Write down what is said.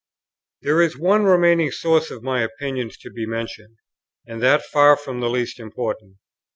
There is one remaining source of my opinions to be mentioned, and that far from the least important.